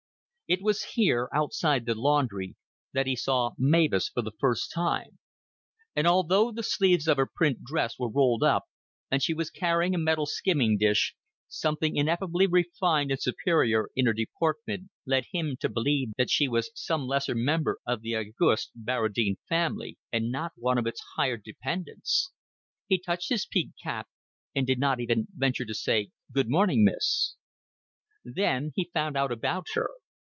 It was here, outside the laundry, that he saw Mavis for the first time; and although the sleeves of her print dress were rolled up and she was carrying a metal skimming dish, something ineffably refined and superior in her deportment led him to believe that she was some lesser member of the august Barradine family, and not one of its hired dependents. He touched his peaked cap, and did not even venture to say "Good morning, miss." Then he found out about her.